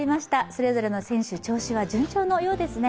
それぞれの選手、調子は順調のようですね。